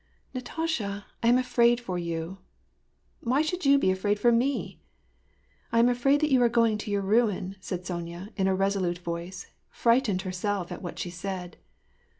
" Natasha, I am afraid for you." " Why should you be afraid for me ?"'^ I am afraid that you are going to your ruin," said Sonya, in a resolute voice, frightened herself at what she said.